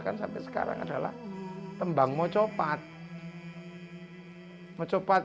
yang p simplesmente biarkan